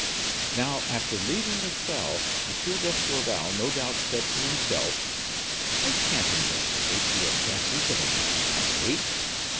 Now, after leaving the cell, M. d'Escorval no doubt said to himself: 'I can't investigate the offenses of a man I hate!